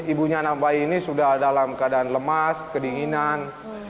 ibunya anak bayi ini sudah dalam keadaan lemas kedinginan